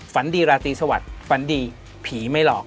ฝันดีราตรีสวัสดิ์ฝันดีผีไม่หลอก